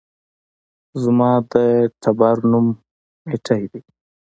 زما د ټبر نوم ميټى دى